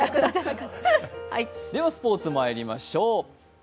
ではスポーツまいりましょう。